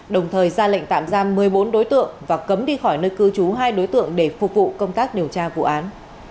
đồng thời ra lệnh tạm giam một mươi bốn đối tượng và cấm đi khỏi nơi cư trú hai đối tượng để phục vụ công tác điều tra vụ án